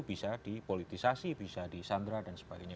bisa dipolitisasi bisa disandra dan sebagainya